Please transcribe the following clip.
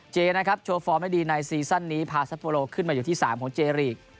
เจนะครับโชว์ฟอร์มให้ดีในซีซั่นนี้พาซัปโปโลขึ้นมาอยู่ที่๓ของเจรีก